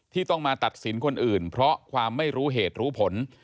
ต้องมาตัดสินคนอื่นเพราะความไม่รู้เหตุรู้ผล